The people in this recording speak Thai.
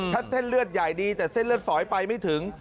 ถ้าเส้นเลือดใหญ่ดีแต่เส้นเลือดฝอยไปไม่ถึง